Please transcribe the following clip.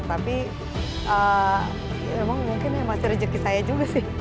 tapi memang mungkin masih rezeki saya juga sih